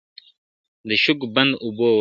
د شګو بند اوبه وړي `